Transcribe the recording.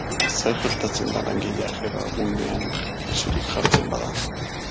Zer gertatzen da langilea greba egunean gaixorik jartzen bada?